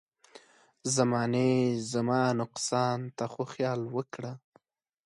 زمانې زما نقصان ته خو خيال وکړه.